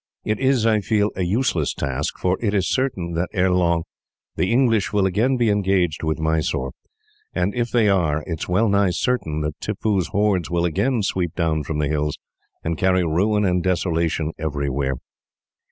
"It is, I feel, a useless task, for it is certain that, ere long, the English will again be engaged with Mysore; and if they are, it is well nigh certain that Tippoo's hordes will again sweep down from the hills, and carry ruin and desolation everywhere.